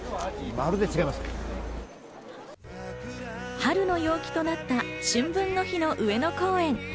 春の陽気となった、春分の日の上野公園。